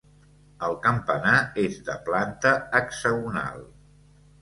El campanar és de planta hexagonal.